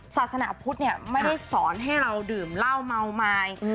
ศาสนาพุทธเนี่ยไม่ได้สอนให้เราดื่มเหล้าเมาไม้